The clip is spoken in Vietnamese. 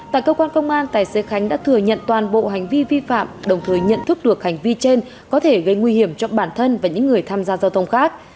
tại cơ quan công an tài xế khánh đã thừa nhận toàn bộ hành vi vi phạm đồng thời nhận thức được hành vi trên có thể gây nguy hiểm cho bản thân và những người tham gia giao thông khác